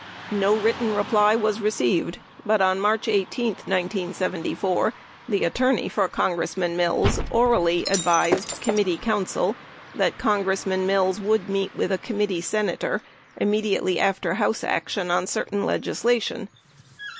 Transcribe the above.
3 No written reply was received, but on March 18, 1974, the attorney for Congress man Mills orally advised committee counsel that Congressman Mills would meet with a committee Senator immediately after House action on certain legislation.